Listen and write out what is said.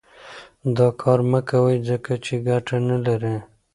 دا کار مه کوئ ځکه چې ګټه نه لري.